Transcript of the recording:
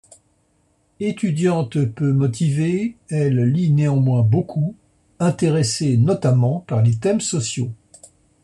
Étudiante peu motivée, elle lit néanmoins beaucoup, intéressée notamment par les thèmes sociaux.